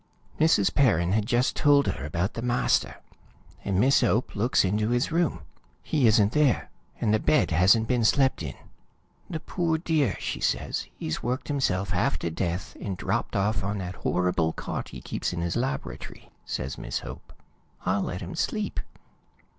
"Mrs. Perrin had just told her about the master, and Miss Hope looks into his room. He isn't there, and the bed hasn't been slept in. 'The poor dear,' she says, 'he's worked himself half to death, and dropped off on that horrible cot he keeps in his laboratory,' says Miss Hope. 'I'll let him sleep.'